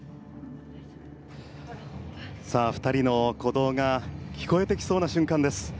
２人の鼓動が聞こえてきそうな瞬間です。